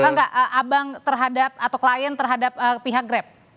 bang nggak abang terhadap atau klien terhadap pihak grab